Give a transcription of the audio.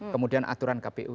kemudian aturan kpu